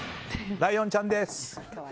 ライオンちゃんです。